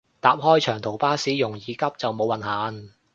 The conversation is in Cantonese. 搭開長途巴士容易急就冇運行